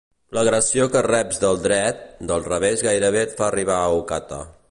L'agressió que reps del dret, del revés gairebé et fa arribar a Ocata.